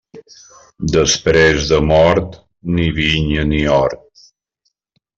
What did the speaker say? Després de mort, ni vinya ni hort.